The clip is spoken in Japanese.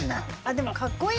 でもかっこいい。